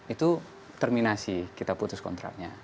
itu terminasi kita putus kontraknya